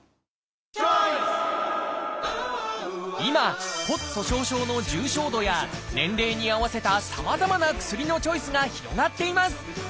今骨粗しょう症の重症度や年齢に合わせたさまざまな薬のチョイスが広がっています。